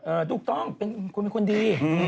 เออถูกต้องคุณเป็นคนดี